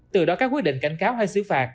từ đó các quyết định cảnh cáo hay xứ phạt